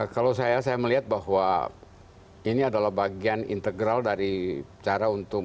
kalau saya melihat bahwa ini adalah bagian integral dari cara untuk